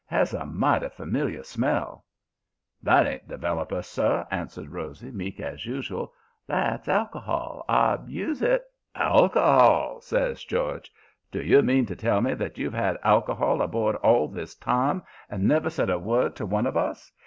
It has a mighty familiar smell.' "'That ain't developer, sir,' answers Rosy, meek as usual. 'That's alcohol. I use it ' "'Alcohol!' says George. 'Do you mean to tell me that you've 'ad alcohol aboard all this time and never said a word to one of us?